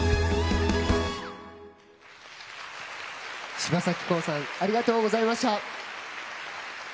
柴咲コウさんありがとうございました。